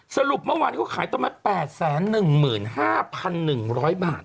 สรุปเมื่อวานเขาขายต้นมาแปดแสนหนึ่งหมื่นห้าพันหนึ่งร้อยบาท